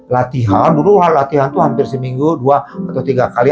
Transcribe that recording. latihan dulu latihan itu hampir seminggu dua atau tiga kali